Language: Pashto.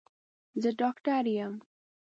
زه ډاکټر يم.